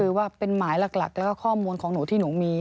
คือว่าเป็นหมายหลักแล้วก็ข้อมูลของหนูที่หนูมี